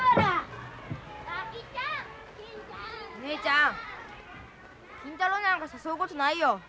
姉ちゃん金太郎なんか誘うことないよ。